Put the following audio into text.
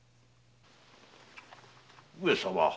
上様。